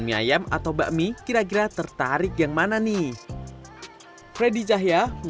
mie ayam atau bakmi kira kira tertarik yang mana nih freddy cahya